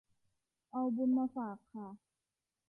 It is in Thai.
เอาบุญมาฝากค่ะ